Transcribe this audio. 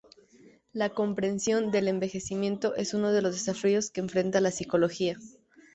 La comprensión del envejecimiento es uno de los desafíos que enfrenta la psicología.